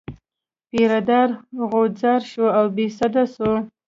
پیره دار غوځار شو او بې سده شو.